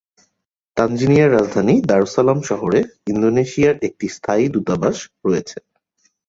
তানজানিয়ার রাজধানী Dar es Salaam শহরে ইন্দোনেশিয়ার একটি স্থায়ী দূতাবাস রয়েছে।